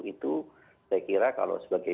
itu saya kira kalau sebagai